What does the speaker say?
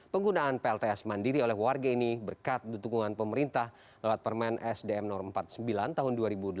penggunaan plts mandiri oleh warga ini berkat dukungan pemerintah lewat permen sdm no empat puluh sembilan tahun dua ribu delapan belas